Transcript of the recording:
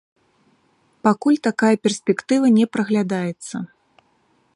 Пакуль такая перспектыва не праглядаецца.